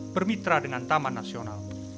bermitra dengan taman nasional